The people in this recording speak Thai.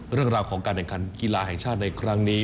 เรื่องราวของการแข่งขันกีฬาแห่งชาติในครั้งนี้